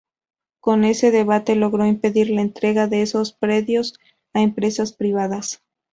Con ese debate logró impedir la entrega de esos predios a empresas privadas.